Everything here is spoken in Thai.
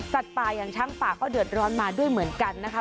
ป่าอย่างช้างป่าก็เดือดร้อนมาด้วยเหมือนกันนะคะ